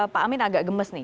pak amin agak gemes nih